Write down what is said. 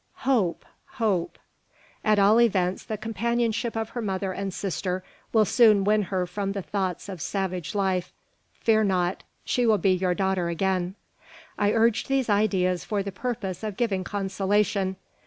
"Hope! Hope!" "At all events, the companionship of her mother and sister will soon win her from the thoughts of savage life. Fear not! She will be your daughter again." I urged these ideas for the purpose of giving consolation.